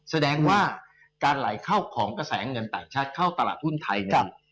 แสดงว่าการไหลเข้าของกระแสเงินต่างชาติเข้าตลาดหุ้นไทยเนี่ย